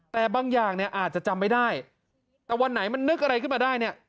แต่บางอย่างเนี่ยอาจจะจำไม่ได้แต่วันไหนมันนึกอะไรขึ้นมาได้เนี่ย